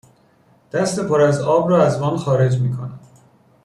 دست پر از آب را از وان خارج میکند